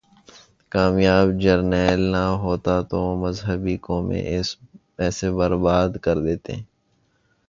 کامیاب جرنیل نہ ہوتا تو مذہبی قوتیں اسے برباد کر دیتیں۔